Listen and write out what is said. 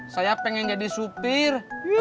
saya pengen jadi supir